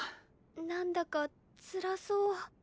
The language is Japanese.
なんだかつらそう。